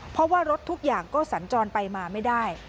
เพราะว่ารถทุกอย่างก็สัญจรไปมาไม่ได้